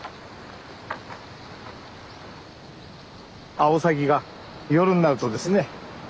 アオサギが夜になるとですね